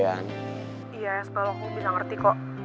iya ya sebelah aku bisa ngerti kok